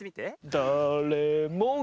「だれもが」